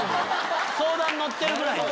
相談乗ってるぐらい。